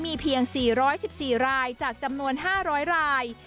มีเพียง๔๑๔รายจากจำนวน๕๐๐ราย